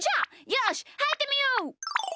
よしはいってみよう。